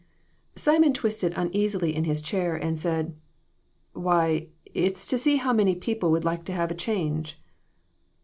Simon twisted uneasily in his chair and said " Why, it's to see how many people would like to have a change."